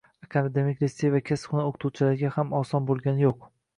Akademik litsey va kasb-hunar oʻqituvchilariga ham oson boʻlgani yoʻq.